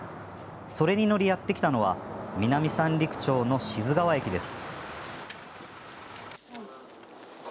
それに乗り、やって来たのは南三陸町の志津川駅です。